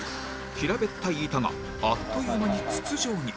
平べったい板があっという間に筒状に